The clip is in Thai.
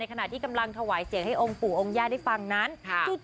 ในขณะที่เรามีทางทำใหญิตผักได้ปุ่า